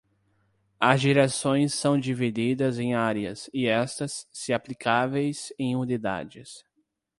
As direções são divididas em áreas, e estas, se aplicáveis, em unidades.